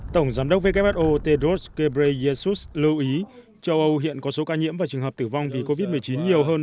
tổng giám đốc who tedros ghebreyesus lưu ý châu âu hiện có số ca nhiễm và trường hợp tử vong vì covid một mươi chín nhiều hơn